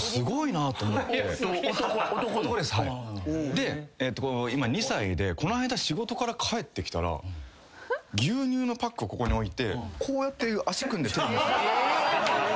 で今２歳でこの間仕事から帰ってきたら牛乳のパックをここに置いてこうやって足組んでテレビ見て。